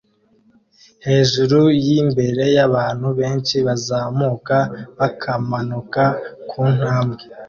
Hejuru yimbere yabantu benshi bazamuka bakamanuka kuntambwe